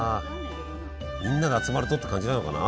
みんなが集まるとって感じなのかな？